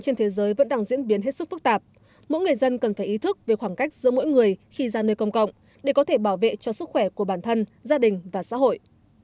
mỗi người dân cần phải ý thức về khoảng cách giữa mỗi người khi ra nơi công cộng để có thể bảo vệ cho sức khỏe của bản thân gia đình và xã hội